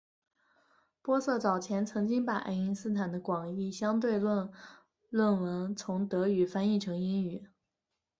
玻色早前曾经把爱因斯坦的广义相对论论文从德语翻译成英语。